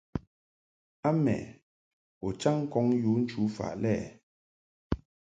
A mɛ u chaŋ ŋkɔŋ yu nchu faʼ lɛ.